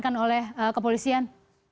yang sudah diamankan oleh kepolisian